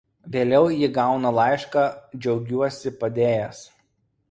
Vėliau ji gauna laišką Džiaugiuosi padėjęs.